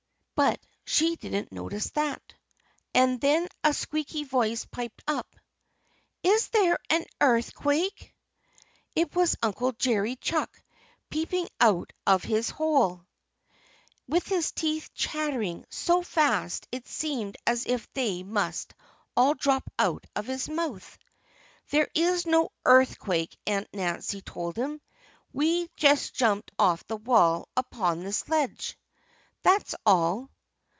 But she didn't notice that. And then a squeaky voice piped up: "Is there an earthquake?" It was Uncle Jerry Chuck peeping out of his hole, with his teeth chattering so fast that it seemed as if they must all drop out of his mouth. "There's no earthquake," Aunt Nancy told him. "We just jumped off the wall upon this ledge that's all."